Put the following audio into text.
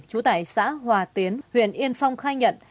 chú tải xã hòa tiến huyện yên phong khai nhận